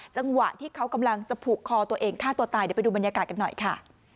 จังหวะที่เขากำลังจะผูกคอตัวเองฆ่าตัวตายเดี๋ยวไปดูบรรยากาศกันหน่อยค่ะ